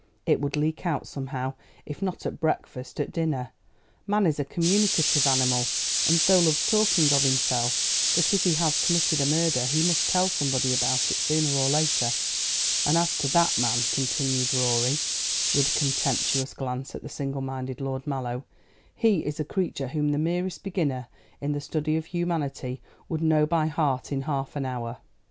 It would leak out somehow if not at breakfast, at dinner. Man is a communicative animal, and so loves talking of himself that if he has committed murder he must tell somebody about it sooner or later. And as to that man," continued Rorie, with a contemptuous glance at the single minded Lord Mallow, "he is a creature whom the merest beginner in the study of humanity would know by heart in half an hour."